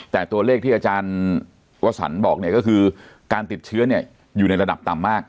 แต่ตัวเลขที่อาจารย์วสันบอกเนี่ยก็คือการติดเชื้อเนี่ยอยู่ในระดับต่ำมาก